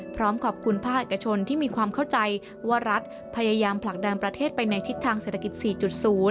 พร้อมขอบคุณภาคเอกชนที่มีความเข้าใจว่ารัฐพยายามผลักดันประเทศไปในทิศทางเศรษฐกิจ๔๐